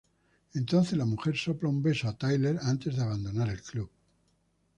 Entonces la mujer sopla un beso a Tyler antes de abandonar el club.